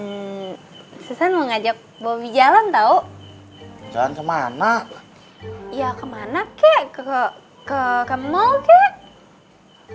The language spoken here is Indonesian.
mungkin mau ngajak bobby jalan tahu dan kemana ya kemana keke keke ke ke ke ke ke ke ke ke ke ke ke